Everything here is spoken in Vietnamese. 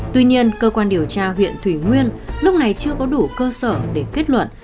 tuy nhiên cơ quan điều tra huyện thủy nguyên lúc này chưa có đủ cơ sở để kết luận